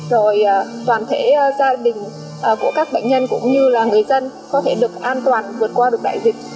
rồi toàn thể gia đình của các bệnh nhân cũng như là người dân có thể được an toàn vượt qua được đại dịch